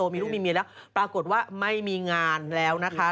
มีลูกมีเมียแล้วปรากฏว่าไม่มีงานแล้วนะคะ